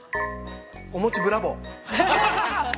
お餅、ブラボー！